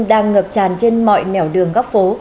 đang ngập tràn trên mọi nẻo đường góc phố